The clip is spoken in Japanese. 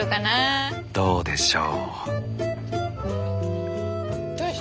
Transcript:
どうでしょう？